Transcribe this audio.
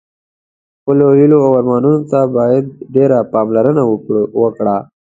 خپلو هیلو او ارمانونو ته باید ډېره پاملرنه وکړه.